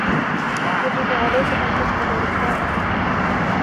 يجب عليك أن تكتب رسالةً.